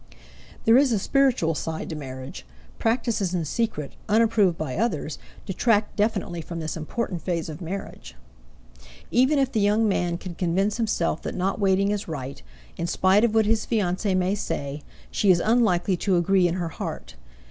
There is a spiritual side to marriage; practices in secret, unapproved by others, detract definitely from this important phase of marriage. Even if the young man can convince himself that not waiting is right, in spite of what his fiancée may say, she is unlikely to agree in her heart.